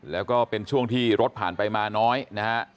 แล้วก็เป็นช่วงที่รถผ่านไปมาน้อยนะฮะ